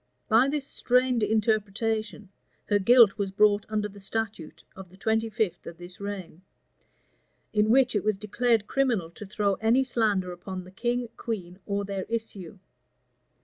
By this strained interpretation, her guilt was brought under the statute of the twenty fifth of this reign; in which it was declared criminal to throw any slander upon the king, queen, or their issue.